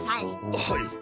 はい。